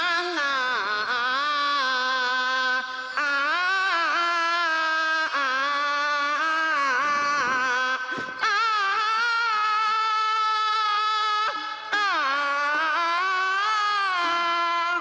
ภูมิสุดท้าย